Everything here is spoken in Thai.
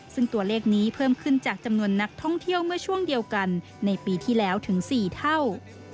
ซึ่งตัวเลขนี้เพิ่มขึ้นจากจำนวนนักท่องเที่ยวเมื่อช่วงเดียวกันในปีที่แล้วถึง๔เท่า